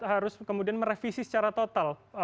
harus kemudian merevisi secara total